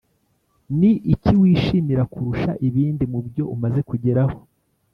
ni iki wishimira kurusha ibindi mu byo umaze kugeraho?